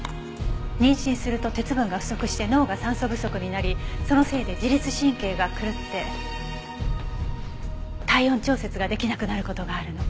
妊娠すると鉄分が不足して脳が酸素不足になりそのせいで自律神経が狂って体温調節が出来なくなる事があるの。